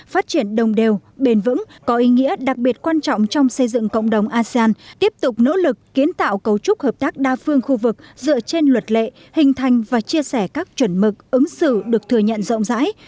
phát triển đồng đều bền vững có ý nghĩa đặc biệt quan trọng trong xây dựng cộng đồng asean tiếp tục nỗ lực kiến tạo cấu trúc hợp tác đa phương khu vực dựa trên luật lệ hình thành và chia sẻ các chuẩn mực ứng xử được thừa nhận rộng rãi